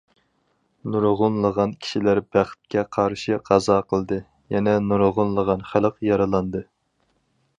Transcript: نۇرغۇنلىغان كىشىلەر بەختكە قارشى قازا قىلدى، يەنە نۇرغۇنلىغان خەلق يارىلاندى.